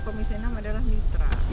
dpr pep komisi enam adalah mitra